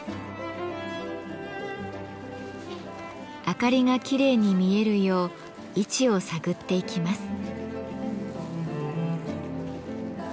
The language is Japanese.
明かりがきれいに見えるよう位置を探っていきます。